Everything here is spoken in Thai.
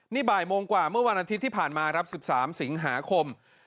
นี่บ่ายโมงกว่าเมื่อวันอาทิตย์ที่ผ่านมาครับ๑๓สิงหาคม